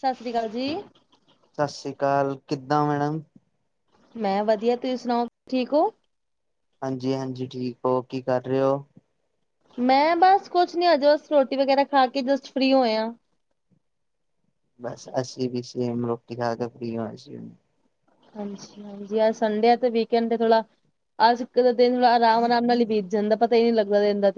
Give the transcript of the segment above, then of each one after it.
ਸਾਸਰੀ ਕਾਲ ਜੀ। ਸਾਸਰੀ ਕਾਲ, ਕਿੱਦਾਂ ਮੈਡਮ? ਮੈਂ ਵਧੀਆ, ਤੁਹੀਂ ਸੁਣਾਓ ਠੀਕ ਓ? ਹਾਂਜੀ-ਹਾਂਜੀ ਠੀਕ ਓ। ਕੀ ਕਰ ਰਹੇ ਓ? ਮੈਂ ਬਸ ਕੁਛ ਨੀ, ਹਜੇ ਬਸ ਰੋਟੀ ਵਗੈਰਾ ਖਾ ਕੇ, ਜਸਟ ਫ੍ਰੀ ਹੋਏ ਆ। ਬਸ, ਅਸੀਂ ਵੀ ਸੇਮ ਰੋਟੀ ਖਾ ਕੇ ਫ੍ਰੀ ਹੋਏ ਸੀ ਹੁਣੇ। ਹਾਂਜੀ-ਹਾਂਜੀ। ਅੱਜ ਸੰਡੇ ਆ ਤੇ ਵੀਕਐਂਡ ਤੇ ਥੋੜ੍ਹਾ ਆਜ ਕ ਦਿਨ ਰਾ, ਰਾਮ-ਰਾਮ ਨਾਲ ਈ ਬੀਤ ਜਾਂਦਾ ਪਤਾ ਈ ਨੀ ਲੱਗਦਾ ਦਿਨ ਦਾ।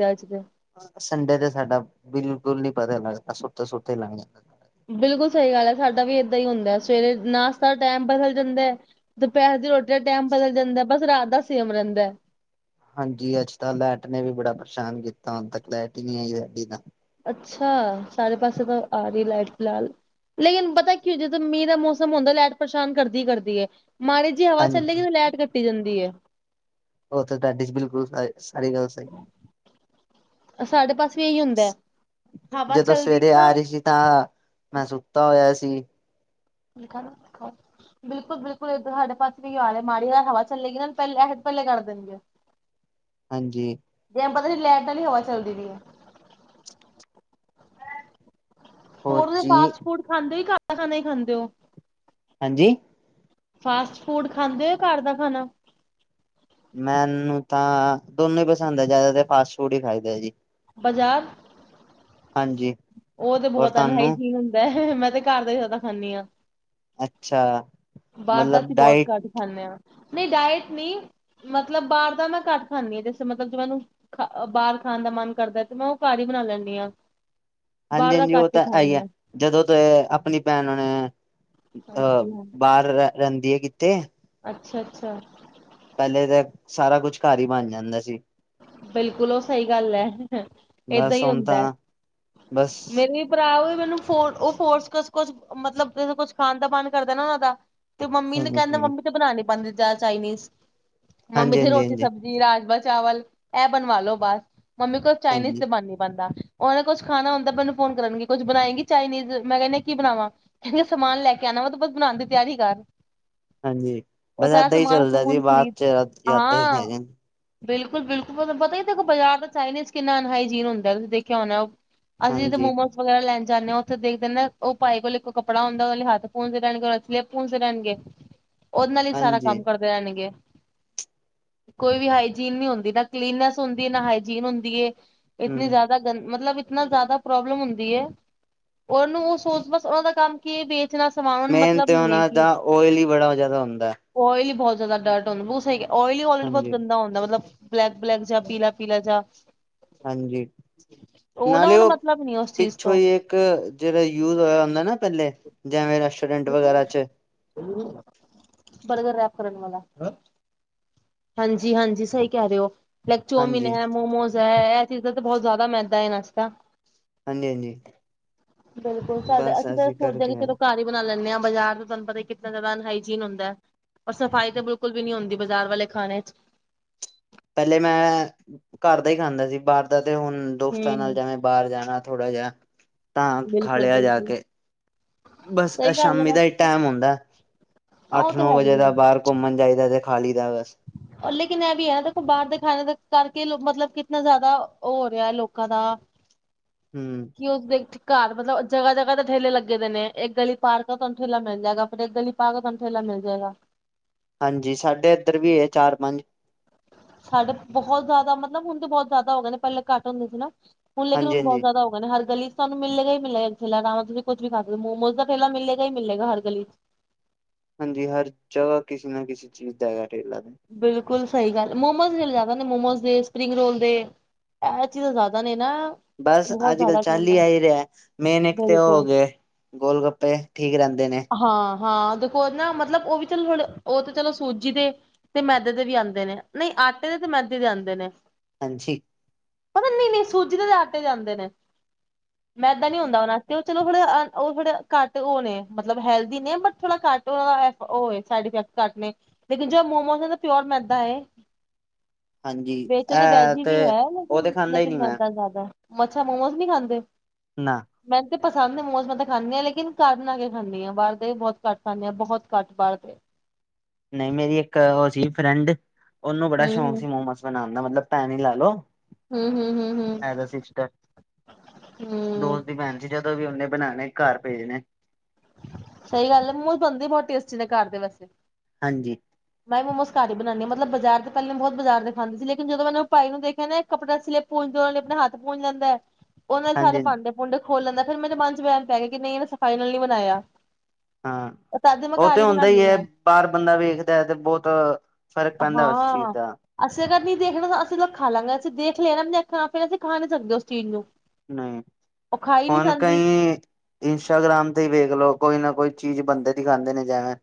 ਸੰਡੇ ਤੇ ਸਾਡਾ, ਬਿਲਕੁਲ ਨੀ ਪਤਾ ਲੱਗਦਾ ਸੁੱਤੇ-ਸੁੱਤੇ ਈ ਲੰਗ ਜਾਦਾਂ। ਬਿਲਕੁਲ ਸਈ ਗੱਲ ਐ ਸਾਡਾ ਵੀ ਏਦਾਂ ਈ ਹੁੰਦਾ ਐ ਸਵੇਰੇ ਨਾਸ਼ਤਾ ਟਾਈਮ ਬਦਲ ਜਾਂਦਾ ਐ ਦੁਪੈਰ ਦੀ ਰੋਟੀ ਦਾ ਟਾਈਮ ਬਦਲ ਜਾਂਦਾ, ਬਸ ਰਾਤ ਦਾ ਸੇਮ ਰੈਂਦੈ। ਹਾਂਜੀ, ਅੱਜ ਤਾਂ ਲਾਈਟ ਨੇ ਵੀ ਬੜਾ ਪਰੇਸ਼ਾਨ ਕੀਤਾ ਹੁਨ ਤੱਕ ਲੈਟ ਈ ਨੀ ਆਈ ਸਾਡੇ ਤਾਂ। ਅੱਛਾ, ਸਾਰੇ ਪਾਸੇ ਤਾਂ ਆ ਰਈ ਲਾਈਟ ਪਲਾਲ। ਲੇਕੀਂ ਪਤਾ ਕੀ ਜਦੋਂ ਮੀਂ ਦਾ ਮੌਸਮ ਹੁੰਦੈ ਲਾਈਟ ਪਰੇਸ਼ਾਨ ਕਰਦੀ-ਕਰਦੀ ਹੈ ਮਾਰੀ ਜੀ ਹਵਾ ਚੱਲੇਗੀ ਹਾਂਜੀ ਤਾਂ ਲੈਟ ਕੱਟੀ ਜਾਂਦੀ ਏ। ਓਥੇ ਤੇ ਤਾਡੀ ਬਿਲਕੁਲ ਸ ਸਾਰੀ ਗੱਲ ਸਈ। ਅਸਾਡੇ ਪਾਸੇ ਵੀ ਈ ਹੁੰਦੈ। ਜਦੋਂ ਸਵੇਰੇ ਆ ਰੀ ਸੀ ਤਾਂ, ਮੈਂ ਸੁੱਤਾ ਹੋਏਆ ਸੀ, [unintelligible] ਬਿਲਕੁਲ-ਬਿਲਕੁਲ ਏਦਰ ਸਾਡੇ ਪਾਸੇ ਵੀ ਆਲੇ ਮਾੜੀ ਹਵਾ ਚੱਲੇਗੀ ਪੈਲੇੇ, ਪੈਲੇ ਕਰ ਦੇਣਗੇ। ਹਾਂਜੀ। ਜੈ ਪਤਾ ਨੀ ਲੈਟ ਆਲੀ ਹਵਾ ਚੱਲਦੀ ਪੀ ਆ। ਹੋਰ ਫਾਸਟ ਫੂਡ ਖਾਂਦੇ ਈ ਘਟ ਆ ਨਈ ਖਾਂਦੇ ਓ? ਹਾਂਜੀ? ਫਾਸਟ ਫੂਡ ਖਾਂਦੇ ਓ ਯਾ ਘਰ ਦਾ ਖਾਣਾ? ਮੈਨੂੰ ਤਾਂ, ਦੋਨੋ ਈ ਪਸੰਦ ਆ ਜਾਦਾ ਤਾ ਫਾਸਟ ਫੂਡ ਈ ਖਾਈਦਾ ਜੀ। ਬਜ਼ਾਰ ਹਾਂਜੀ। ਓ ਤੇ ਹੋਰ ਬੋਤ ਤੁਹਾਨੂੰ ਅਨਹਾਈਜੀ ਹੁੰਦਾ ਐ ਮੈਂ ਤੇ ਘਰ ਦਾ ਈ ਜਾਦਾ ਖਾਂਨੀ ਆਂ। ਅੱਛਾ ਬਾਰ ਤਾਂ ਮਤਲਬ ਅਸੀਂ ਬੌਤ ਡਾਇਟ ਘੱਟ ਖਾਂਦੇ ਆਂ ਨਈ ਰਾਈਸ ਨੀ ਮਤਲਬ ਬਾਰ ਦਾ ਨਾ ਘੱਟ ਖਾਂਨੀ ਆਂ ਜਸੇ ਮਤਲ ਮੇਨੂੰ ਖ ਬਾਰ ਖਾਣ ਦਾ ਮਨ ਕਰਦਾ ਏ ਤੇ ਮੈਂ ਓ ਘਾਰ ਈ ਬਣਾ ਲੈਂਨੀ ਆਂ। ਹਾਂਜੀ-ਹਾਂਜੀ ਓ ਤਾ ਐਈਆ ਹੋ ਜਦੋਂ ਤੋ ਏਐ ਆਪਨੀ ਭੈਣ ਨੇ ਅਐ ਹਾਂਜੀ ਬਾਰ ਰੈ ਰੈਂਦੀ ਏ ਕਿਤੇ ਅੱਛਾ-ਅੱਛਾ। ਪੈਲੇ ਤੇ, ਸਾਰਾ ਕੁਛ ਘਰ ਈ ਬਨ ਜਾਂਦਾ ਸੀ। ਬਿਲਕੁਲ ਓ ਸਈ ਗੱਲ ਐ, ਏਦਾਂ ਬਸ ਈ ਹੁਣ ਤਾਂ ਹੁੰਦਾ ਐ, ਬਸ ਮੇਰੇ ਭਰਾ ਮੈਨੂੰ ਫੂ ਓ ਫੋਰਸ ਕੁਛ ਮਤਲਬ ਕੁਛ ਖਾਣ ਦਾ ਪਾਣ ਕਰਦਾ ਨਾ ਓਨਾਂ ਦਾ ਤੇ ਮੰਮੀ ਨੇ ਹਮ ਕੈਨ ਹਮ ਮੰਮੀ ਤੇ ਬਣਾ ਨੀ ਪਾਂਦੀ ਆਦੀ ਚਾਈਨੀ, ਮੰਮੀ ਹਾਂਜੀ ਤੇ ਹਾਂਜੀ ਰੋਟੀ ਹਾਂਜੀ ਸਬਜ਼ੀ ਰਾਜ ਚਾਵਲ, ਐ ਬਣਵਾਲੋ ਬਸ, ਮੰਮੀ ਕੋਲ ਚਾਈਨੀਸ ਹਾਂਜੀ ਤੇ ਬਨ ਨੀ ਪਾਂਦਾ। ਓਰੇ ਕੁਛ ਖਾਣਾ ਹੁੰਦਾ ਮੈਨੂੰ ਫੋਨ ਕਰਨਗੇ ਕੁੱਝ ਬਣਾਏਂਗੀ ਚਾਈਨੀਜ਼ ਮੈਂ ਕੇਆ ਕੀ ਬਣਾਵਾ? ਕੈਨਗੇ ਸਮਾਨ ਲੈ ਕੇ ਆਣਾ ਵਾ ਤੋਂ ਬਸ ਬਣਾਣ ਦੀ ਤੇਆਰੀ ਕਰ। ਹਾਂਜੀ ਓ ਬਸ ਸਾਰਾ ਏਦਾਂ ਹੀ ਸਮਾਨ ਚੱਲਦਾ ਜੀ ਸਸੂਨ ਬਾਅਦ ਖ਼ਰੀ, ਚ ਯਾਦਾਂ ਹੀ ਆਂ ਰਹਿ ਜਾਣ ਬਿਲਕੁਲ-ਬਿਲਕੁਲ ਪਤਾ ਬਾਜ਼ਾਰ ਦਾ ਚਾਈਨੀਸ ਕਿਨਾ ਅਨਾਹਾਜੀਨ ਹੁੰਦਾ ਤੁਸੀਂ ਦੇਖੇਆ ਹੋਨਾ ਓ ਅਸੀਂ ਤੇ ਹਾਂਜੀ ਮੋਮੋ ਸ ਵਗੈਰਾ ਲੈਣ ਜਾਂਦੇ ਓਂ ਓਥੇ ਦੇਖਦੇ ਨਾ ਓ ਪਾਈ ਕੋਲ ਕੋ ਕੱਪੜਾ ਹੁੰਦਾ ਓਲੇ ਹੱਥ ਪੂ ਦੇ ਰੈਂਗੇ [unintelligible] ਪੂੰਦੇ ਰੈਂਣਗੇ। [inaudible] ਓਦ ਨਾਲ ਈ ਸਾਰਾ ਹਾਂਜੀ ਕੰਮ ਕਰਦੇ ਰੈਂਣਗੇ, ਕੋਈ ਵੀ ਹਾਈਜੀਨ ਨੀ ਹੁੰਦੀ ਨਾ ਕਲੀਨੈਸ ਹੁੰਦੀ ਐ ਨਾ ਹਾਈਜੀਨ ਹੁੰਦੀ ਏ, ਹਮ ਇਤਨੀ ਜਾਦਾ ਗੰ, ਮਤਲਵ ਇਤਨਾ ਜਾਦਾ ਪ੍ਰੋਬਲਮ ਹੁੰਦੀ ਐ, ਓਨੂੰ ਓ ਸੋਚ ਬਸ ਓਨਾ ਦਾ ਕੰਮ ਕੀ ਇਤਨਾ ਸਮਾਨ, ਮੇਨ ਮਤਲਬ ਤੇ ਨੀ ਏ ਉਹਨਾਂ ਕੀ ਦਾ ਓਇਲ ਹੀ ਬੜਾ ਜ਼ਿਆਦਾ ਹੁੰਦਾ ਓਇਲੀ ਬਹੋ ਜਾਦਾ ਡਰਟ ਹੁੰਦਾ ਓਇਲੀ ਲਰੇ ਬਹੁਤ ਹਾਂਜੀ ਗੰਦਾ ਹੁੰਦਾ ਮਤਲਵ ਬਲੈਕ- ਬਲੈਕ ਜਾ ਪੀਲਾ- ਪੀਲਾ ਜਾ ਹਾਂਜੀ। ਉਹ ਨਾ ਓਨੂੰ ਮਤਲਬ ਨੀ ਉਸ ਚੀਜ਼ ਪਿੱਛੋਂ ਤੋਂ ਈ ਇੱਕ ਜਿਹੜਾ ਯੂਜ ਹੋਇਆ ਹੁੰਦਾ ਨਾ ਪਹਿਲੇ, ਜੈਵੇਂ ਰੈਸਟੋਰੈਂਟ ਵਗੈਰਾ ਚ ਬਰਗਰ ਰੈਪ ਕਰਨ ਵਾਲਾ। ਹਾਂਜੀ- ਹਾਂਜੀ ਸਈ ਕਹਿ ਦਿਓ ਲਾਈਕ ਚੋਮਿਨ ਹਾਂਜੀ ਹੈ ਮੋਮੋਸ ਹੈ ਐਹ ਚੀਜ਼ ਦਾ ਤਾਂ ਬਹੁਤ ਜ਼ਿਆਦਾ ਮੈਦਾ ਆ ਇਨਾਂ ਚ ਤਾਂ ਹਾਂਜੀ ਹਾਂਜੀ ਬਿਲਕੁਲ ਸਾਡੇ ਬਸ ਅਸੀਂ ਤਾਂ ਸੋਚਦੇ ਹਾਂ ਕਰਕੇ ਕਿ ਆਏ। ਚਲੋ ਘਰ ਈ ਬਣਾ ਲੈਂਨੇ ਆ, ਬਾਜ਼ਾਰਾਂ ਤੇ ਤੁਹਾਨੂੰ ਪਤਾ ਈ ਕਿਤਨਾ ਜ਼ਿਆਦਾ ਅਨਹਾਈਜੀਨ ਹੁੰਦਾ ਐ। ਓਰ ਸਫ਼ਾਈ ਤੇ ਬਿਲਕੁਲ ਵੀ ਨੀ ਹੁੰਦੀ ਬਜ਼ਾਰ ਵਾਲੇ ਖਾਣੇ ਚ ਪਹਿਲੇ ਮੈਂ ਘਰ ਦਾ ਈ ਖਾਂਦਾ ਸੀ, ਬਾਹਰ ਦਾ ਤੇ ਹੁਣ ਦੋਸਤਾਂ ਨਾਲ ਹਮ ਜੈਵੇ ਬਾਹਰ ਜਾਣਾ ਥੋੜਾ ਜਾ, ਤਾਂ ਬਿਲਕੁਲ ਖਾਲਿਆ ਜਾ ਬਿਲਕੁਲ ਕੇ ਬਸ ਐ ਸਹੀ ਗੱਲ ਹੈ ਸ਼ਾਮੀ ਦਾ ਈ ਵੈਸੇ ਤਾਂ ਟੈਮ ਹੁੰਦਾ, ਆਹ ਉਹ ਅੱਠ ਤਾਂ ਨੌ ਹੈ ਵਜੇ ਹੀ ਦਾ ਹੈ ਬਾਹਰ ਘੁੰਮਣ ਜਾਏ ਦਾ ਤੇ, ਖਾਲੀ ਦਾ ਬਸ। ਲੇਕਿਨ ਐਹ ਵੀ ਐ ਨਾ ਦੇਖੋ ਬਾਹਰ ਦਾ ਖਾਂਣੇ ਦਾ ਕਰਕੇ, ਮਤਲਬ ਕਿਤਨਾ ਜ਼ਿਆਦਾ ਔਹ ਰਿਹਾ ਲੋਕਾਂ ਦਾ। ਹੂੰ। ਕਿ ਉਸਦੇ ਘਰ ਮਤਲਬ ਜਗਾ -ਜਗਾ ਤੇ ਠੇਲੇ ਲੱਗੇ ਦੇ ਨੇ, ਇੱਕ ਗਲੀ ਪਾਰ ਕਰੋ ਤੁਹਾਨੂੰ ਠੇਲਾ ਮਿਲ ਜਾਏਗਾ, ਫੇਰ ਇਕ ਗਲੀ ਪਾਰਕ ਚ' ਥੋਨੂੰ ਠੇਲਾ ਮਿਲ ਜਾਏਗਾ। ਹਾਂਜੀ, ਸਾਡੇ ਏਧਰ ਵੀ ਏ ਚਾਰ-ਪੰਜ। ਸਾਡੇ ਬਹੁਤ ਜ਼ਿਆਦਾ, ਮਤਲਬ ਹੁਣ ਤਾਂ ਬਹੁਤ ਜ਼ਿਆਦਾ ਹੋ ਗਏ ਨੇ, ਪਹਿਲੇ ਘੱਟ ਹੁੰਦੇ ਸੀ ਨਾ, ਹੁਣ ਲੇਕਿਨ ਹਾਂਜੀ ਹੁਣ ਬਹੁਤ ਹਾਂਜੀ ਜ਼ਿਆਦਾ ਹੋ ਤੁਹਾਂਨੂੰ ਹਰ ਗਲੀ ਚ ਤੁਹਾਨੂੰ ਮਿਲੇ ਗਾ ਈ- ਮਿਲੇ ਗਾ, ਜਿੱਥੇ ਲੈਣ ਆਵਾਂ ਤੁਸੀ ਕੁੱਝ ਵੀ ਖਾਂ ਸਕਦੇ ਓ, ਮੋਮੋਜ਼ ਦਾ ਠੇਲਾ ਮਿਲੇ ਗਾ ਈ- ਮਿਲੇ ਗਾ ਹਰ ਗਲੀ ਚ'। ਹਾਂਜੀ, ਹਰ ਜਗਾ ਕਿਸੇ ਨਾ ਕਿਸੀ ਚੀਜ਼ ਦਾ ਹੈਗਾ ਠੇਲਾ ਤੇ। ਬਿਲਕੁੱਲ ਸਹੀ ਗੱਲ ਆ, ਮੋਮੋਜ਼ ਦੇ ਜ਼ਿਆਦਾ ਨੇ ਮੋਮੋਜ਼ ਦੇ ਸਪਰਿੰਗ ਰੋਲ ਦੇ। ਐਹ, ਚੀਜ਼ਾਂ ਜ਼ਿਆਦਾ ਨੇ ਨਾ। ਬਸ ਬਹੁਤ ਅੱਜ ਕੱਲ ਜ਼ਿਆਦਾ ਚੱਲ ਈ ਠੇਲਾ ਐਹੀ ਰਿਹਾਂ, ਮੇਨ ਇੱਕ ਤੇ ਹੋ ਬਿਲਕੁਲ। ਗੇ। ਗੋਲ- ਗੱਪੇ ਠੀਕ ਰਹਿੰਦੇ ਨੇ। ਹਾਂ-ਹਾਂ ਦੇਖੋ ਓਹ ਨਾ, ਮਤਲਬ ਉਹ ਵੀ ਚਲ ਥੋੜੇ ਉਹ ਤੇ ਚਲੋ ਸੂਜੀ ਦੇ। ਤੇ ਮੈਦੇ ਦੇ ਵੀ ਆਂਦੇ ਨੇ, ਨਈ ਆਟੇ ਦੇ ਤੇ ਮੈਦੇ ਦੇ ਆਂਦੇ ਨੇ। ਹਾਂਜੀ। ਪਤਾ ਨਈ-ਨਈ ਸੂਜੀ ਦੇ ਤੇ ਆਟੇ ਦੇ ਆਂਦੇ ਨੇ। ਮੈਦਾ ਨੀ ਹੁੰਦਾ ਹੋਣਾ, ਉਹ ਤੇ ਉਹ ਚਲੋ ਓ ਥੋੜੇ ਘੱਟ ਉਹ ਨੇ। ਮਤਲਬ ਹੈਲਦੀ ਨੇ ਬਟ, ਥੋੜ੍ਹਾ ਘੱਟ ਉਹਨਾ ਦਾ ਓ ਏ ਸਾਈਡ ਇਫ਼ੈਕਟ ਘੱਟ ਨੇ। ਲੇਕਿਨ, ਜੋ ਮੋਮੋਸ਼ ਦਾ ਪਿਓਰ ਮੈਦਾ ਏ। [inaudible] ਵਿੱਚ ਉਦੇ ਵੈਜ਼ ਇਹ ਤੇ ਵੀ ਹੈ ਉਹ ਤੇ ਲੇਕਿਨ- ਖਾਂਦਾ ਹੀ ਲੇਕਿਨ ਨੀ ਮੈਂ ਮੈਂਦਾ ਜ਼ਿਆਦਾ। ਅੱਛਾ, ਮੋਮੋਸ਼ ਨੀ ਖਾਂਦੇ ਓ। ਨਾ। ਮੈਨੂੰ ਤੇ ਪਸੰਦ ਆ ਮੋਮੋਜ਼ ਮੈ ਤਾਂ ਖਾਨੀ ਆ, ਲੇਕਿਨ ਘਰ ਬਣਾ ਕੇ। ਖਾਨੀ ਆ ਬਾਹਰ ਦੇ, ਬਹੁਤ ਘੱਟ ਖਾਨੀ ਆ, ਬਹੁਤ ਘੱਟ ਬਾਹਰ ਦੇ। ਨਹੀ ਮੇਰੀ ਇੱਕ ਉਹ ਸੀ, ਫਰੈਂਡ ਉਹਨੂੰ ਬੜਾ ਸ਼ੌਕ ਹੂੰ-ਹੂੰ, ਸੀ ਮੋਮੋਸ਼ ਬਣਾਨ ਦਾ ਮਤਲਬ ਪੈਣ ਈ ਲ਼ੈ ਲੋ। ਹੂੰ- ਹੂੰ, ਹੂੰ- ਹੂੰ। ਐਂਜ ਆ ਸਿਸਟਰ, ਹੂੰ, ਦੋਸਤ ਦੀ ਭੈਣ ਸੀ ਜਦੋਂ ਵੀ ਉਹਨੇ ਬਣਾਣੇ ਘਰ ਭੇਜਣੇ ‌। ਸਹੀ ਗੱਲ ਆ ਮੋਮੋਸ਼ ਬਣਦੇ ਈ ਬਹੁਤ ਟੇਸਟੀ ਨੇ ਘਰ ਦੇ ਵੈਸੇ, ਹਾਂਜੀ ਮੈਂ ਮੋਮੋਸ ਘਰ ਬਣਾਨੀ ਮਤਲਬ ਬਜ਼ਾਰ ਦੇ ਪਹਿਲਾ ਮੈ ਬਹੁਤ ਬਜ਼ਾਰ ਦੇ ਖਾਂਦੀ ਸੀੇ, ਲੇਕਿਨ ਜਦੋਂ ਮੈ ਉਹਨੂੰ ਭਾਈ ਨੂੰ ਦੇਖਿਆ ਨਾ ਕੱਪੜਾ ਨਾਲ ਸਲਿਪ ਪੂੰਝੇ ਨਾ ਹੱਥ ਪੂੰਝ ਲੈਂਦਾ ਆ। ਉਹ ਨਾ ਸਾਰੇ ਹਾਂਜੀ ਭਾਂਡੇ-ਭੂੰਡੇ ਖੋਲ ਲੈਂਦਾ, ਫਿਰ ਮੇਰੇ ਮਨ ਚ ਬਹਿਮ ਪੈ ਗਿਆ ਕਿ, ਨਹੀ ਇਹਨੇ ਸਫ਼ਾਈ ਨਾਲ ਨੀ ਬਣਾਇਆ। ਹਾਂ, ਤਦ ਮੈਂ ਉਹ ਘਰ ਤੇ ਹੀ ਹੁੰਦਾ ਈ ਬਣਾਨੀ ਏ, ਆ ਬਾਹਰ ਬੰਦਾ ਵੇਖਦਾ ਐ ਤੇ ਬਹੁਤ ਫ਼ਰਕ ਪੈਂਦਾ ਉਸ ਚੀਜ਼ ਦਾ। ਅਸੀ ਅਗਰ ਨਈ ਦੇਖਣਾ ਤਾਂ, ਅਸੀ ਲੋਕ ਖਾਂਲਾਗੇ, ਅਸੀ ਦੇਖ ਲਿਆ ਨਾ ਆਪਣਿਆਂ ਅੱਖਾਂ ਨਾਲ, ਫਿਰ ਅਸੀ ਖਾ ਨੀ ਸਕਦੇ ਉਸ ਚੀਜ਼ ਨੂੰ। ਨਈ ਉਹ ਖਾਈ ਨੀ ਹੁਣ ਕਈ ਜਾਂਦੀ ਇੰਸਟਾਗ੍ਰਾਮ ਤੇ ਈ ਵੇਖ ਲੋ, ਕੋਈ ਨਾ ਕੋਈ ਚੀਜ਼ ਬੰਦੇ ਦੀ ਖਾਂਦੇ ਨੇ ਜਿਵੇ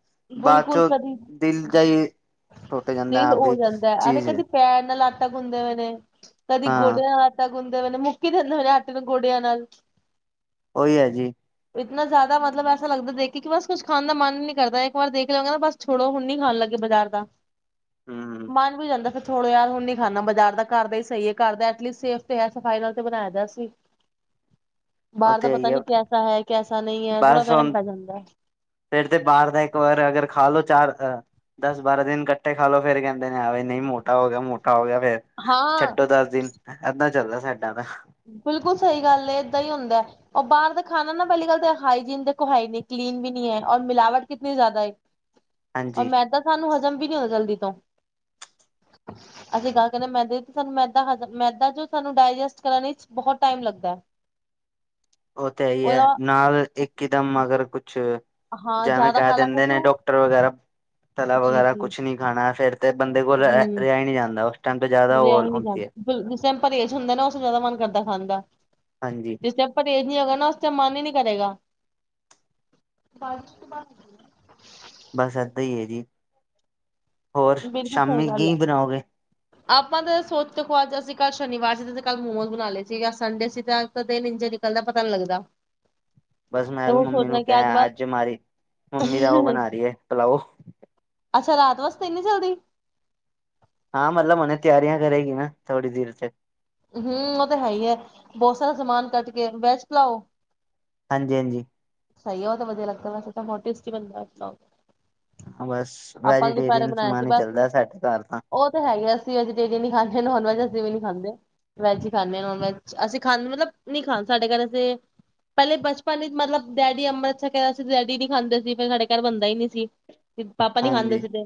ਬਾਅਦ ਬਿਲਕੁਲ ਚੋਂ ਕਦੀ ਦਿਲ ਜਾ ਈ, ਟੁੱਟ ਤੇ ਜਾਂਦਾ ਹਾ ਹੋ ਵੀ ਜਾਂਦਾ ਹੈ। ਅਰੇ ਚੀਜ਼। ਕਦੀ ਪੈਰ ਨਾਲ ਆਟਾ ਗੁੰਨਦੇ ਹੋਏ ਨੇ, ਕਦੀ ਗੋਡੇ ਹਾਂ ਨਾਲ ਆਟਾ ਗੁੰਦੇ ਨੂੰ ਮੁੱਕੀ ਦਿੰਦੇ ਹੋਏ ਨੇ, ਆਟੇ ਨੂੰ ਗੋਡਿਆਂ ਨਾਲ। ਉਹੀ ਐ ਜੀ, ਇਤਨਾ ਜ਼ਿਆਦਾ ਮਤਲਬ, ਐਸਾ ਲੱਗਦਾ ਦੇਖ ਕਿ ਬਸ ਕੁਛ, ਖਾਣ ਦਾ ਮਨ ਨੀ ਕਰਦਾ ਐ। ਇੱਕ ਵਾਰ ਦੇਖ ਲਉ ਗੇ, ਬਸ ਛੋੜੋ ਹੁਣ ਨੀ ਖਾਣ ਲੱਗੇ, ਬਾਜ਼ਾਰ ਦਾ ਹੂੰ ਮਨ ਵੀ ਜਾਂਦਾ ਫੇਰ ਥੋੜੋ ਯਾਰ ਹੁਣ ਨੀ ਖਾਣਾ ਬਾਜ਼ਾਰ ਦਾ ਘਰ ਦਾ ਸਹੀ ਐ, ਕਰਦਾ ਐਥਲੀਟਸ ਸੈਫ਼ ਤੇ ਐ ਸਫ਼ਾਈ ਨਾਲ ਤੇ ਬਣਾਇਆ ਗਿਆ ਸੀ। [inaudible] ਬਾਰ ਦਾ ਤੇ ਪਤਾ ਹੀ ਹੈ ਨੀ ਕੈਸਾ ਐ, ਕੈਸਾ ਨਈ ਐ ਥੋੜ੍ਹਾ ਫਰਕ ਪੈ ਜਾਂਦਾ। ਫਿਰ ਤੇ ਬਾਹਰ ਦਾ ਇੱਕ ਵਾਰ ਖਾ ਲਓ ਅਗਰ ਚਾਰ ਦਸ, ਬਾਰਾਂ ਦਿਨ ਇਕੱਠੇ ਖਾ ਲੋ ਫੇਰ ਕਹਿੰਦੇ ਨੇ ਆ ਵੀ ਨੀ ਮੋਟਾ ਹੋ ਗਿਆ ਮੋਟਾ ਮੋਟਾ ਗਿਆ ਫੇਰ, ਹਾਂ ਛੱਡੋ ਦਸ ਦਿਨ ਇਦਾਂ ਚੱਲਦਾ ਸਾਡਾ ਤਾਂ ਬਿਲਕੁਲ ਸਹੀ ਗੱਲ ਐ ਇਦਾਂ ਈ ਹੁੰਦਾ ਉਹ ਬਾਰ ਦਾ ਖਾਣਾ ਨਾ ਪਹਿਲੀ ਗੱਲ ਤਾਂ ਹਾਈਜੀਨ ਦੇਖੋ ਐ ਨਹੀਂ ਕਲੀਨ ਵੀ ਨੀ ਐ ਔਰ ਮਿਲਾਵਟ ਕਿਤਨੀ ਜ਼ਿਆਦਾ ਔਰ ਹਾਂਜੀ ਮੈਂਦਾ ਸਾਨੂੰ ਹਜ਼ਮ ਵੀ ਨੀ ਹੋਇਆ ਜਲਦੀ ਤੋਂ ਅਸੀਂ ਗੱਲ ਕਰਦੇ ਆ ਮੈਦੇ ਦੀ ਸਾਨੂੰ ਮੈਦਾ ਹਾਜਮ ਮੈਦਾ ਜੋ ਸਾਨੂੰ ਡਾਇਜੈਸਟ ਕਰਨ ਵਿਚ' ਬਹੁਤ ਟਾਈਮ ਲੱਗਦਾ ਉਹ ਤਾਂ ਇਹੀ ਏ ਉਹਦਾ ਨਾਲ ਇੱਕਦਮ ਮਗਰ ਕੁਛ ਹਾਂ ਜਾਵੇ ਜ਼ਿਆਦਾ ਕਹਿ ਖਾ ਲਾਂਗੇ ਦਿੰਦੇ ਤੇ ਨੇ ਉਹ ਡਾਕਟਰ ਵਗੈਰਾ, ਤਲਾ ਜੀ ਵਗੈਰਾ ਜੀ ਕੁਛ ਨਈ ਖਾਣਾ ਫੇਰ ਤੇ ਬੰਦੇ ਕੋਲ ਹੂੰ ਰਿਹਾ ਨੀ ਜਾਂਦਾ ਉਸ ਟਾਈਮ ਤੇ ਜ਼ਿਆਦਾ ਰਿਹਾ ਉਅਲ ਹੀ ਨਹੀਂ ਹੁੰਦੀ ਏ। ਜਾਂਦਾ ਜਿਸ ਟਾਈਮ ਪਰਹੇਜ ਹੁੰਦਾ ਨਾ ਉਸ ਦਾ ਜ਼ਿਆਦਾ ਮਨ ਕਰਦਾ ਖਾਣ ਦਾ ਹਾਂਜੀ। ਜਿਸ ਟਾਇਮ ਪਰਹੇਜ਼ ਨੀ ਹੈਗਾ ਨਾ ਉਸ ਤੇ ਮਨ ਈ ਨੀ ਕਰੇਗਾ [unintelligible] ਬਸ ਏਦਾਂ ਈ ਏ ਜੀ, ਹੋਰ ਬਿਲਕੁਲ ਸਹੀ ਸ਼ਾਮੀ ਗੱਲ ਕੀ ਹੈ। ਬਣਾਓਗੇ? ਆਪਾਂ ਤਾਂ ਸੋਚ [unintelligible] ਅੱਜ ਅਸੀਂ ਕੱਲ੍ਹ ਸ਼ਨੀਵਾਰ ਸੀ ਤੇ ਕੱਲ੍ਹ ਮੋਮੋਜ ਬਣਾ ਲਏ ਸੀ ਸੰਡੇ ਸੀ ਤੇ ਦਿਨ ਇੰਜ ਗੱਲ ਦਾ ਪਤਾ ਨੀ ਲੱਗਦਾ ਬਸ ਤੇ ਮੈਂ ਵੀ ਉਹ ਮੰਮੀ ਨੂੰ ਸੋਚਣਾ ਕਿ ਕਿਹਾ ਅੱਜ ਬਸ ਮਾਰੀ ਮੰਮੀ ਦਾ ਉਹ ਬਣਾ ਰੀ ਐ ਭਲਾਓ ਅੱਛਾ ਰਾਤ ਵਾਸਤੇ ਇਨੀਂ ਜਲਦੀ ਹਾਂ ਮਤਲਬ ਉਹਨੇ ਤਿਆਰੀਆਂ ਕਰੇਗੀ ਨਾ ਥੋੜੀ ਦੇਰ ਚ ਹੂੰ ਉਹ ਤੇ ਹੈ ਈ ਐ, ਬਹੁਤ ਸਾਰਾ ਸਮਾਨ ਕੱਟ ਕੇ ਬੈਸਟ ਪਲਾਓ ਹਾਂਜੀ-ਹਾਂਜੀ। ਸਹੀ ਆ ਉਹ ਤਾਂ ਵਧੀਆ ਲੱਗਦਾ ਵੈਸੇ ਤਾਂ ਬਹੁਤ ਟੈਟਸੀ ਬਣਦਾ [unintelligible] ਹਾਂ ਬਸ ਆਪਾਂ ਦੁਪਹਿਰੇ ਵੈਜੀਟੇਰੀਅਨ ਬਣਾਇਆ ਸੀ ਸਮਾਨ ਈ ਬਸ ਚੱਲਦਾ ਸਾਡੇ ਘਰ ਤਾਂ ਉਹ ਤੇ ਹੈਗੇ ਸੀ ਅਸੀਂ ਵੈਜੀਟੇਰੀਅਨ ਈ ਖਾਂਦੇ ਨੋਨ ਵੈਜ ਅਸੀਂ ਵੀ ਨੀ ਖਾਂਦੇ ਵੈਜ ਈ ਖਾਂਦੇ ਨੋਨ ਵੈਜ ਅਸੀਂ ਖਾਂਦੇ ਮਤਲਬ ਨੀ ਖਾ ਸਾਡੇ ਘਰ ਤੇ ਪਹਿਲੇ ਬਚਪਨ ਵਿੱਚ ਮਤਲਬ ਡੈਡੀ ਅੰਮ੍ਰਿਤ ਛਕਿਆ ਹੋਇਆ ਸੀ ਡੈਡੀ ਨੀ ਖਾਂਦੇ ਸੀ ਫਿਰ ਸਾਡੇ ਘਰ ਬੰਦਾ ਈ ਨੀ ਸੀ। ਪਾਪਾ ਨੀ ਖਾਂਦੇ ਹਾਂਜੀ ਸੀਗੇ।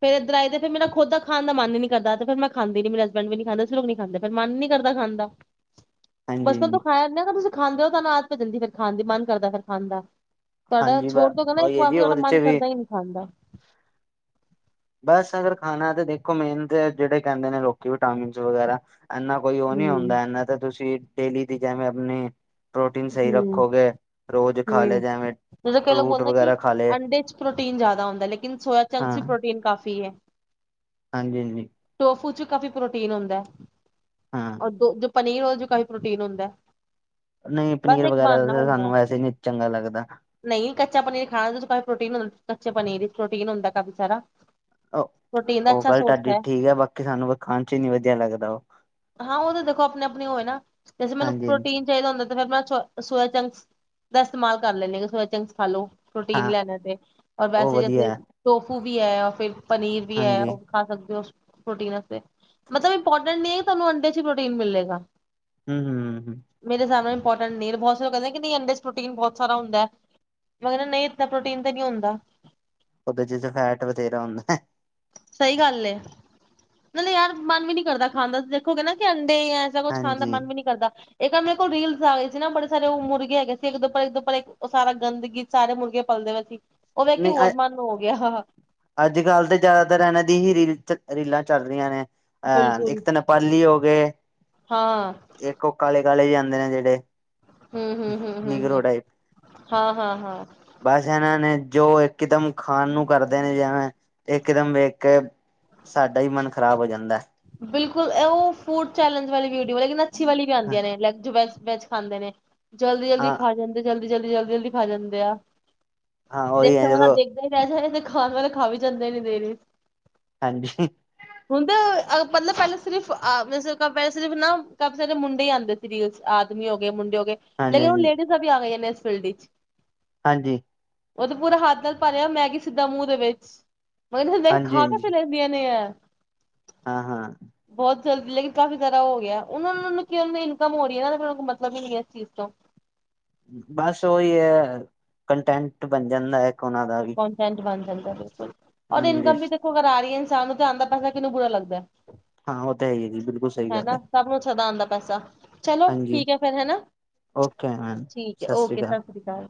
ਫੇਰ ਏਦਰ ਆਏ ਫਿਰ ਮੇਰਾ ਖੁਦ ਦਾ ਖਾਣ ਦਾ ਮਨ ਨੀਂ ਕਰਦਾ, ਫੇਰ ਮੈਂ ਖਾਦੀ ਨੀ ਮੇਰੇ ਹਸਬੈਂਡ ਵੀ ਨੀਂ ਖਾਂਦੇ ਫਿਰ ਅਸੀਂ ਲੋਕ ਨੀਂ ਖਾਂਦੇ ਫੇਰ ਮਨ ਨੀ ਕਰਦਾ ਖਾਣਦਾ। [inaudible] ਬਚਪਨ ਤੋਂ ਹਾਂਜੀ ਖਾਯਾ ਨੀਂ ਅਗਰ ਤੁਸੀਂ ਖਾਂਦੇ ਹੋ ਤਾਂ ਆਦਤ ਪੈ ਜਾਂਦੀ ਆ ਫਿਰ ਖਾਣ ਦੀ ਮਨ ਕਰਦਾ ਫੇਰ ਖਾਣ ਦਾ। ਤੁਆਡਾ ਹਾਂਜੀ ਬ ਛੋੜ ਦੋਗੇਨਾ ਈਂਕ ਉਹੀ ਹੈ ਵਾਰ ਜੀ ਤੁਆਡਾ ਉਹਦੇ ਚ ਮਨ ਵੀ ਕਰਦਾ ਈਂ ਨੀਂ ਖਾਣ ਦਾ। ਬਸ ਅਗਰ ਖਾਣਾ ਏ ਤਾਂ ਦੇਖੋ ਮੇਨ ਤੇ ਜੇੜੇ ਕੈਂਦੇ ਨੇ ਲੋਕੀ ਵੀ ਵਿਟਾਮਿਨਜ ਵਗੈਰਾ ਏਨਾ ਕੋਈ ਓ ਨੀ ਹੂੰ ਹੁੰਦਾ ਐਨਾ ਤਾਂ ਤੁਸੀਂ ਡੇਲੀ ਦੀ ਜੈਵੇਂ ਅਪਨੀ ਪ੍ਰੋਟੀਨ ਸਈ ਹੂੰ ਰੱਖੋਗੇ ਰੋਜ ਖਾਲੈ ਜੈਵੇਂ ਜਦੋਂ ਕਈ ਲੋਕ ਬੋਲਦੇ ਕਿ ਅੰਡੇ ਚ ਪ੍ਰੋਟੀਨ ਜਾਂਦਾ ਹੁੰਦਾ ਲੇਕਿਨ ਸੋਇਆ ਚੰਕਸ ਚ ਪ੍ਰੋਟੀਨ ਕਾਫੀ ਏ। ਹਾਂਜੀ-ਹਾਂਜੀ। ਟੋਫੂ ਚ ਕਾਫੀ ਪ੍ਰੋਟੀਨ ਹੁੰਦੈ। ਹੂੰ। ਔ ਦੋ ਪਨੀਰ ਹੁੰਦਾ ਓਦੇ 'ਚ' ਵੀ ਕਾਫੀ ਪ੍ਰੋਟੀਨ ਹੁੰਦੈ। ਨਈਂ, ਪਨੀਰ ਵਗੈਰਾ ਸਾਨੂੰ ਵੈਸੇ ਈਂ ਨੀਂ ਚੰਗਾ ਲੱਗਦਾ। ਨਈਂ, ਕੱਚਾ ਪਨੀਰ ਖਾਣਾ ਕਾ ਪ੍ਰੋਟੀਨ ਕੱਚੇ ਪਨੀਰ ਵਿੱਚ ਪ੍ਰੋਟੀਨ ਹੁੰਦਾ ਕਾਫੀ ਸਾਰਾ। ਓ ਪ੍ਰੋਟੀਨ ਦਾ ਓ ਅੱਛਾ ਗੱਲ ਸੋਰਸ ਤਾਡੀ ਹੈ। ਠੀਕੈ ਬਾਕੀ ਸਾਨੂੰ ਖਾਣ 'ਚ' ਨੀ ਵਧੀਆ ਲੱਗਦਾ ਓ। ਹਾਂ ਓ ਤਾਂ ਦੇਖੋ ਅਪਨੀ-ਅਪਨੀ ਹੋਏ ਨਾ ਜੈਸੇ ਮੈਨੂੰ ਹਾਂਜੀ ਹਾਂਜੀ ਪ੍ਰੋਟੀਨ ਚਾਈਦਾ ਹੁੰਦਾ ਤੇ ਫੇਰ ਮੈਂ ਸ ਸੋਇਆ ਸੋਯਾਚੰਕਸ ਦਾ ਇਸਤੇਮਾਲ ਕਰ ਲੈਂਨੀਂ ਆ ਸੋਯਾਚੰਕਸ ਖਾਲੋ। ਪ੍ਰੋਟੀਨ ਹਾਂ ਲੈਣ ਤੇ ਔਰ ਉਹ ਵੈਸੇ ਜੈਸੇ ਵਧੀਆ ਹੈ। ਟੋਫੂ ਵੀ ਐ ਰ ਫੇਰ ਪਨੀਰ ਵੀ ਐ। ਹਾਂਜੀ ਖਾ ਸਕਦੇ ਓ ਪ੍ਰੋਟੀਨ ਵਾਸਤੇ ਮਤਲਬ, ਇਮਪੋਰਟੈਂਟ ਨੀਂ ਐ ਤੁਆਨੂ ਅੰਡੇ 'ਚ ਹੀ ਪ੍ਰੋਟੀਨ ਮਿਲੇਗਾ। ਹੂੰ-ਹੂੰ। ਮੇਰੇ ਸਾਬ ਨਾਲ ਇਮਪੋਰਟੈਂਟ ਨੀਂ, ਬੋਤ ਸਾਰੇ ਲੋਕ ਕੈਂਦੇ ਕਿ ਨੀਂ ਅੰਡਰ ਪ੍ਰੋਟੀਨ ਬੋਤ ਸਾਰਾ ਹੁੰਦੈ। ਮਗਰ ਨਈਂ, ਇਨਾ ਪ੍ਰੋਟੀਨ ਤੇ ਨਈਂ ਹੁੰਦਾ। ਓਦੇ ਚ ਫੈਟ ਵਥੇਰਾ ਹੁੰਦਾ। ਸਈ ਗੱਲ ਏ, ਨਾਲੇ ਯਾਰ ਮਨ ਵੀ ਨੀ ਕਰਦਾ ਖਾਣ ਦਾ ਤੁਸੀਂ ਦੇਖੋਗੇ ਨਾ ਕਿ ਅੰਡੇ ਐ ਜਿੱਦਾਂ ਕੁਛ ਖਾਣ ਦਾ ਹਾਂਜੀ ਮਨ ਵੀ ਨੀ ਕਰਦਾ। ਏ ਤਾਂ ਮੇਰੇ ਕੋਲ ਰੀਲਸ ਆ ਗਏ ਸੀ ਨਾ ਬੜੇ ਸਾਰੇ ਉਹ ਮੁਰਗੇ ਹੈਗੇ ਸੀ ਏਕ ਦੇ ਉਪਰ ਇੱਕ ਦ ਉੱਪਰ ਓ ਸਾਰਾ ਗੰਦਗੀ ਸਾਰੇ ਮੁਰਗੇ ਪਲਦੇ ਪਏ ਸੀ, ਓ ਵੇਖ ਹੋਰ ਮਨ ਨੂੰ ਹੋ ਗੇਆ। ਅੱਜ-ਕੱਲ ਤਾਂ ਜਾਦਾਤਰ ਏਨਾਂ ਦੀ ਹੀ ਰੀਲ ਰੀਲਾਂ ਚੱਲਦੀਆਂ ਨੇ। ਅ ਏਕ ਬਿਲਕੁਲ ਤੇ ਓ ਨੇਪਾਲੀ ਹੋ ਗਏ, ਹਾਂ ਏਕ ਓ ਕਾਲੇ-ਕਾਲੇ ਵੀ ਜਾਂਦੇ ਨੇ ਜੇੜੇ। ਹੂੰ ਹੂੰ ਹੂੰ ਹੂੰ ਨੀਗਰੋ ਹੂੰ ਟਾਈਪ, ਹਾਂ ਹਾਂ ਹਾਂ ਬਸ ਏਨਾ ਨੇ ਜੋ ਇੱਕਦਮ ਖਾਣ ਨੂੰ ਕਰਦੇ ਨੇ ਜਿਵੇਂ ਇੱਕਦਮ ਵੇਖ ਕੇ ਸਾਡਾ ਈ ਮਨ ਖਰਾਬ ਹੋ ਜਾਂਦੈ। ਬਿਲਕੁਲ, ਓ ਫੂਡ ਚੈਲੇਂਜ ਵਾਲੀ ਵੀਊਟੀ ਲੇਕਿਨ ਪੱਛੀ ਵਾਲੀ ਵੀ ਹੈ ਆਂਦੀਆਂ ਨੇੈ ਵੈਜ ਖਾਂਦੇ ਨੇ ਜਲਦੀ-ਜਲਦੀ ਹਾਂ ਖਾ ਜਾਂਦੇ ਤੇ ਜਲਦੀ-ਜਲਦੀ, ਜਲਦੀ-ਜਲਦੀ ਖਾ ਜਾਂਦੇ ਆ ਹਾਂ ਉਹੀ ਹੈ ਦੇਖਣ ਤਾਂ ਜਦੋਂ ਦੇਖ ਸ ਤੇ ਖਾਣ ਵਾਲੇ ਖਾ ਵੀ ਜਾਂਦੇ ਨੀ ਦੇਰੀ ਹਾਂਜੀ। ਹੁੰਦਾ ਮਤਲਬ ਪੈਲਾਂ ਸਿਰਫ ਅਹਿ ਸਿਰਫ ਨਾ ਕਾਫੀ ਸਾਰੇ ਮੁੰਡੇ ਈਂ ਆਂਦੇ ਸੀ ਰੀਲ ਆਦਮੀ ਹੋ ਗਏ ਮੁੰਡੇ ਹੋ ਗਏ ਹਾਂਜੀ ਲੇਕਿਨ ਹੁਣ ਹਾਂਜੀ ਲੇਡੀਸਾਂ ਵੀ ਆ ਗਈਆਂ ਨੇ ਇਸ ਫੀਲਡ ਚ। ਹਾਂਜੀ। ਓ ਤੇ ਪੂਰਾ ਹੱਥ ਨਾਲ ਪਰਿਆ ਸਿੱਧਾ ਮੈਗੀ ਮੂੰਹ ਦੇ ਵਿੱਚ, ਮੈਂ ਕੇਆ ਵੇਖ ਹਾਂਜੀ ਖਾ ਕਿਵੇਂ ਲੈਂਦੇ ਦੀਆਂ ਨੇ ਐ। ਹਾਂ-ਹਾਂ। ਬਹੁਤ ਜਲਦੀ ਲੇਕਿਨ ਕਾਫ਼ੀ ਜਾਦਾ ਓ ਹੋ ਗਿਆ, ਓਨੂੰ ਕੀ ਓਦੀ ਇਨਕਮ ਹੋ ਰਹੀ ਐ ਨਾ ਮਤਲਬ ਹੀ ਨੀਂ ਐ ਏਸ ਚੀਜ ਨਾਲ। ਬਸ ਉਹੀ ਹੈ, ਕੰਟੈਂਟ ਬਣ ਜਾਂਦਾ ਇੱਕ ਉਹਨਾਂ ਦਾ ਵੀ ਕੰਟੈਂਟ ਬਣ ਜਾਂਦਾ ਬਿਲਕੁਲ, ਹਾਂਜੀ ਇਨਕਮ ਦੇਖੋ ਆ ਰਹੀ ਐ ਇਨਸਾਨ ਨੂੰ ਤੇ ਆਂਦਾ ਪੈਸਾ ਕਿਹਨੂੰ ਬੁਰਾ ਲੱਗਦਾ ਐ। ਹਾਂ ਉਹ ਤਾਂ ਹੈ ਹੀ ਜੀ ਬਿਲਕੁਲ [inaudible] ਸਹੀ ਹੈ ਗੱਲ ਨਾ ਸਭ ਨੂੰ ਸਧਾ ਆਉਂਦਾ ਪੈਸਾ ਚਲੋ ਹਾਂਜੀ ਠੀਕ ਹੈ ਫੇਰ ਹੇਨਾ, ਓਕੇ ਮੈਮ [inaudible] ਠੀਕ ਹੈ ਸ਼੍ਰੀ ਓਕੇ ਸਤਿ ਸ੍ਰੀ ਅਕਾਲ।